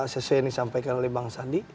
sesuai yang disampaikan oleh bang sandi